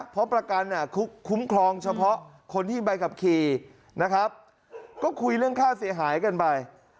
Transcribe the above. เพราะประกันคุ้มครองเฉพาะคนที่ใบขับขี่นะครับก็คุยเรื่องค่าเสียหายกันไป